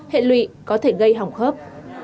hệ lụy có thể gây hỏng khớp